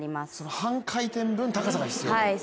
半回転分、高さが必要と。